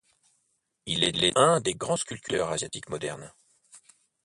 Il est un des grands sculpteurs asiatiques modernes.